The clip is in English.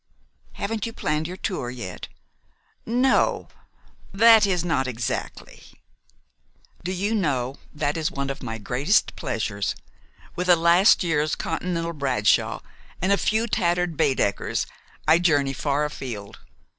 "Haven't you planned your tour yet?" "No that is, not exactly." "Do you know, that is one of my greatest pleasures. With a last year's Continental Bradshaw and a few tattered Baedekers I journey far afield.